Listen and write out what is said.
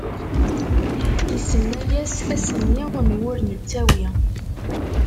Isenna-yas asenni n wur nettawi.